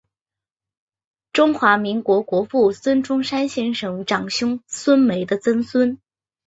中华民国国父孙中山先生长兄孙眉的曾孙。